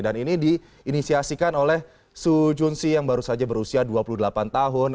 dan ini diinisiasikan oleh su jun si yang baru saja berusia dua puluh delapan tahun